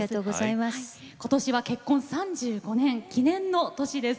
ことしは結婚３５年記念の年です。